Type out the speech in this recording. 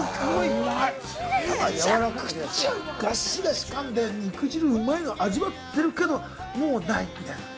がしがしかんで、肉汁うまいの味わってるけど、もう、ない！みたいな。